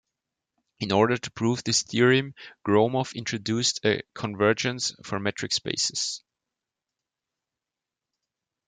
In order to prove this theorem Gromov introduced a convergence for metric spaces.